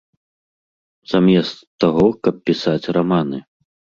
Замест таго, каб пісаць раманы.